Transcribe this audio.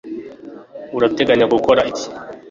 urateganya gukora iki